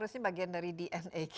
iya pakai sarawak